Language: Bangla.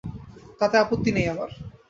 তাতে আপত্তি নেই আমার।